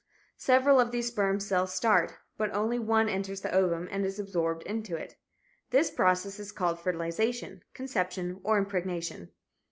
Several of these sperm cells start, but only one enters the ovum and is absorbed into it. This process is called fertilization, conception or impregnation.